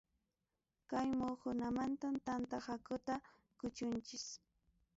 Kay muhukunamantam tanta hakuta kuchunchik.